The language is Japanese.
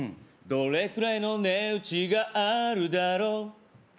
どれくらいの値打ちがあるだろう？